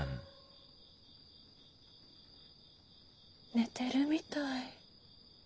寝てるみたい。